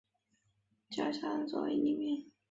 赵佳恩作艺名。